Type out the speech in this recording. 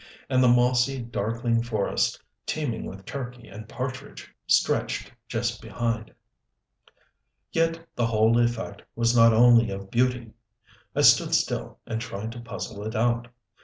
And the mossy, darkling forest, teeming with turkey and partridge, stretched just behind. Yet the whole effect was not only of beauty. I stood still, and tried to puzzle it out.